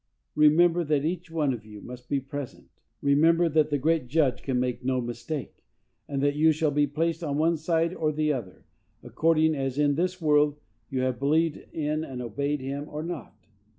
Remember that each of you must be present; remember that the Great Judge can make no mistake; and that you shall be placed on one side or on the other, according as in this world you have believed in and obeyed him or not.